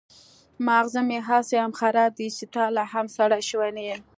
ماغزه مې هسې هم خراب دي چې ته لا هم سړی شوی نه يې.